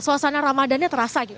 suasana ramadannya terasa gitu